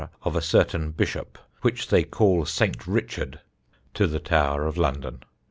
of a certain Bishop ... which they call S. Richard," to the Tower of London.